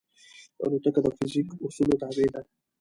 الوتکه د فزیک اصولو تابع ده.